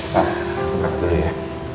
presidennya mau pergi dulu ya